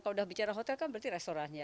kalau udah bicara hotel kan berarti restorannya